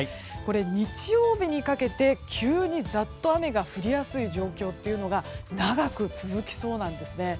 日曜日にかけて急にざっと雨が降りやすい状況というのが長く続きそうなんです。